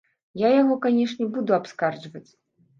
Я яго, канешне, буду абскарджваць.